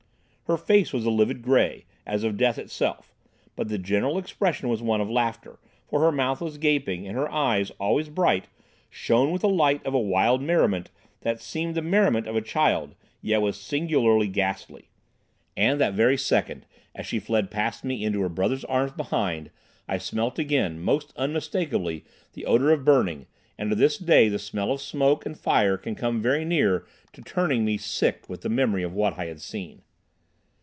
Her face was a livid grey, as of death itself, but the general expression was one of laughter, for her mouth was gaping, and her eyes, always bright, shone with the light of a wild merriment that seemed the merriment of a child, yet was singularly ghastly. And that very second, as she fled past me into her brother's arms behind, I smelt again most unmistakably the odour of burning, and to this day the smell of smoke and fire can come very near to turning me sick with the memory of what I had seen.